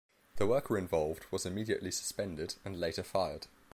The worker involved was immediately suspended and later fired.